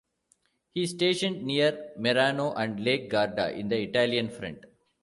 He stationed near Merano and Lake Garda in the Italian Front.